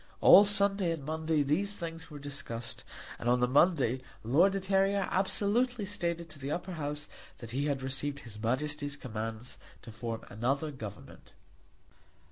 All Sunday and Monday these things were discussed; and on the Monday Lord de Terrier absolutely stated to the Upper House that he had received her Majesty's commands to form another government.